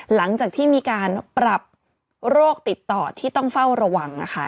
หลังจากที่มีการปรับโรคติดต่อที่ต้องเฝ้าระวังนะคะ